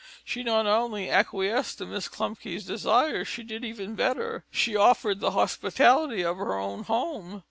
She not only acquiesced to Miss Klumpke's desire; she did even better, she offered the hospitality of her own home.